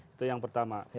itu yang pertama